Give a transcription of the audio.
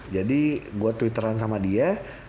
jadi gue twitteran sama dia